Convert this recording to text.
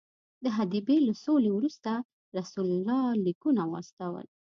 د حدیبیې له سولې وروسته رسول الله لیکونه واستول.